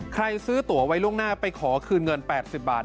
ซื้อตัวไว้ล่วงหน้าไปขอคืนเงิน๘๐บาท